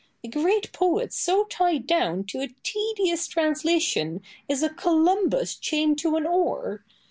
A great poet so tied down to a tedious translation is a Columbus chained to an oar.